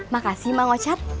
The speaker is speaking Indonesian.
makasih mang ocat